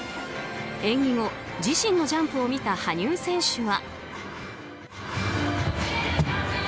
演技後、自身のジャンプを見た羽生選手は。